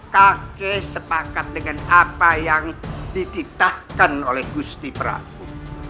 kakek sepakat dengan apa yang dititahkan oleh gusti prabu